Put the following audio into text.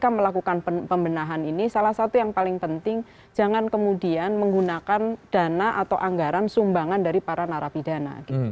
ketika melakukan pembenahan ini salah satu yang paling penting jangan kemudian menggunakan dana atau anggaran sumbangan dari para narapidana